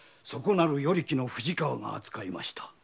なる与力の藤川が扱いました。